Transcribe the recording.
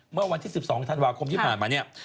เมื่อวันที่๑๒ธันวาคมที่ผ่านมาเนี่ย